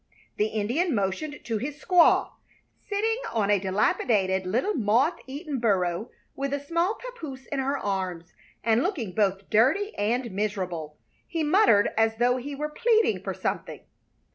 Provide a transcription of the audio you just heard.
The Indian motioned to his squaw, sitting on a dilapidated little moth eaten burro with a small papoose in her arms and looking both dirty and miserable. He muttered as though he were pleading for something.